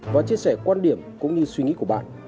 và chia sẻ quan điểm cũng như suy nghĩ của bạn